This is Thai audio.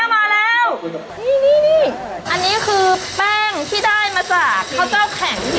นี่อันนี้คือแป้งที่ได้มาจากเขาเจ้าแข็ง